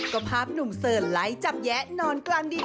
ก็ภาพหนุ่มเสิร์นไลค์จับแยะนอนกลางดิน